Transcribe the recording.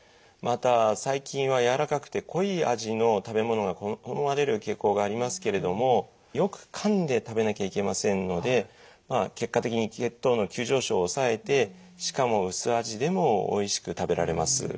また最近はやわらかくて濃い味の食べ物が好まれる傾向がありますけれどもよくかんで食べなきゃいけませんので結果的に血糖の急上昇を抑えてしかも薄味でもおいしく食べられます。